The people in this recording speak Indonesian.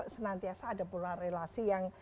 senantiasa ada pola relasi yang